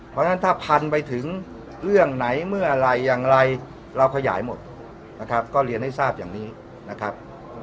เพราะฉะนั้นถ้าพันไปถึงเรื่องไหนเมื่อไหร่อย่างไรเราขยายหมดนะครับก็เรียนให้ทราบอย่างนี้นะครับ